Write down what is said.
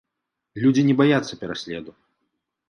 Людзі не баяцца пераследу!